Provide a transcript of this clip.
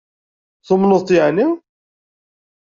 Tumneḍ-t yeεni?